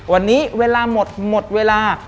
วันนี้เวลาหมดหมดเวลา